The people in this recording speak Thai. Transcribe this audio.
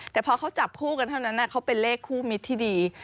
แต่พอเขาจับคู่กันเท่านั้นเขาเป็นเลขคู่มิตรที่ดี